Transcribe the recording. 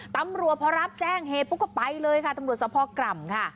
ตำรวจพอรับแจ้งเหตุปุ๊บก็ไปเลยค่ะตำรวจสภกร่ำค่ะ